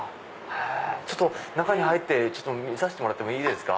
ちょっと中に入って見させてもらってもいいですか？